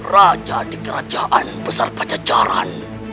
raja di kerajaan besar pajajaran